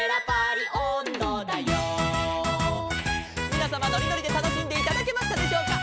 「みなさまのりのりでたのしんでいただけましたでしょうか」